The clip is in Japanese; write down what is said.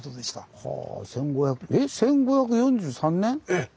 ええ。